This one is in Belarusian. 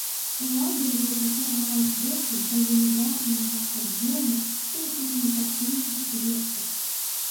Улады ўжо цяпер маюць доступ да велізарнага аб'ёму тэлекамунікацыйных звестак.